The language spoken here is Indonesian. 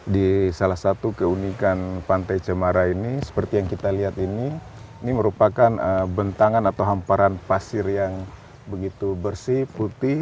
di salah satu keunikan pantai cemara ini seperti yang kita lihat ini ini merupakan bentangan atau hamparan pasir yang begitu bersih putih